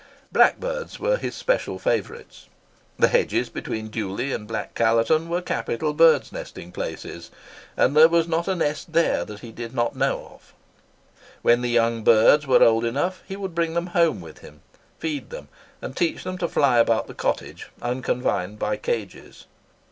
Blackbirds were his special favourites. The hedges between Dewley and Black Callerton were capital bird nesting places; and there was not a nest there that he did not know of. When the young birds were old enough, he would bring them home with him, feed them, and teach them to fly about the cottage unconfined by cages.